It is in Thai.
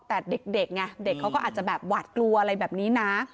แต่เด็กไงเด็กเขาก็อาจจะแบบหวาดกลัวอะไรแบบนี้นะ